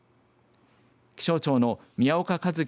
気象庁の宮岡一樹